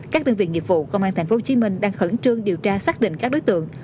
các tân viên nghiệp vụ công an tp hcm đang khẩn trương điều tra xác định các đối tượng